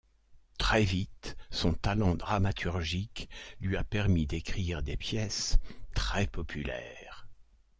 Très vite son talent dramaturgique lui a permis d'écrire des pièces très populaires.